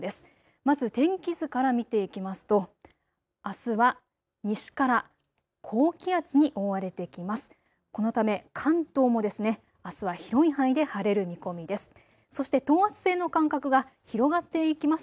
まず天気図から見ていきますとあすは西から高気圧に覆われてきます。